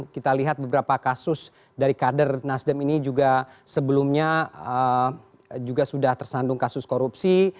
kita lihat beberapa kasus dari kader nasdem ini juga sebelumnya juga sudah tersandung kasus korupsi